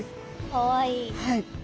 かわいい。